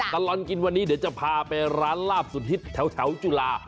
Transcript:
ตลอดกินวันนี้เดี๋ยวจะพาไปร้านลาบสุดฮิตแถวจุฬา